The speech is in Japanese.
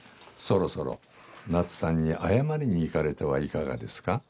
そろそろ奈津さんに謝りに行かれてはいかがですか？